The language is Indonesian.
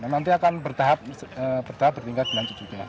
nanti akan bertahap bertingkat lanjut juga